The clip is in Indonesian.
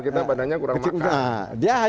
kita badannya kurang makan